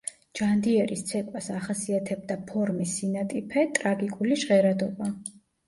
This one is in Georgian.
ჯანდიერის ცეკვას ახასიათებდა ფორმის სინატიფე, ტრაგიკული ჟღერადობა.